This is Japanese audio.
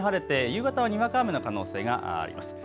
夕方、にわか雨の可能性があります。